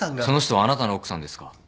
その人はあなたの奥さんですか？